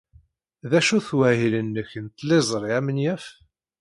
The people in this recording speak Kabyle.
D acu-t wahil-nnek n tliẓri amenyaf?